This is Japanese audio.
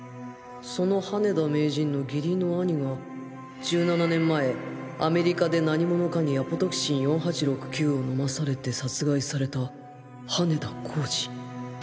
その羽田名人の義理の兄が１７年前アメリカで何者かに ＡＰＴＸ４８６９ を飲まされて殺害された羽田浩司